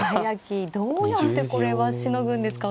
どうやってこれはしのぐんですか。